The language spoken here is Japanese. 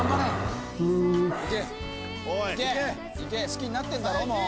好きになってんだろもう。